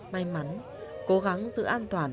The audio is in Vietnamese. may mắn cố gắng giữ an toàn